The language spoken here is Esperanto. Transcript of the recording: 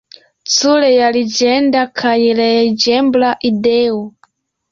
Ĉu realigenda kaj realigebla ideo?